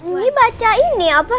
ini baca ini apa